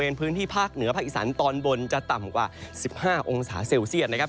พื้นที่ภาคเหนือภาคอีสานตอนบนจะต่ำกว่า๑๕องศาเซลเซียตนะครับ